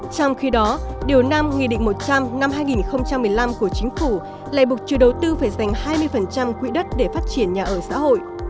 trong khi đó điều năm nghị định một trăm linh năm hai nghìn một mươi năm của chính phủ lại buộc chủ đầu tư phải dành hai mươi quỹ đất để phát triển nhà ở xã hội